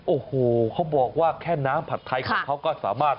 โอ้โหเขาบอกว่าแค่น้ำผัดไทยของเขาก็สามารถ